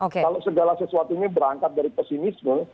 kalau segala sesuatu ini berangkat dari pesimisme